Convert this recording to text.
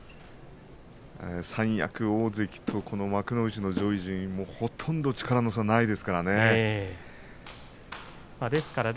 三役、大関と幕内の上位陣ほとんど力の差がないですからね。